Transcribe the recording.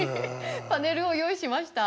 パネルを用意しました。